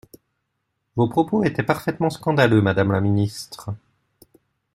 Vos propos étaient parfaitement scandaleux, madame la ministre.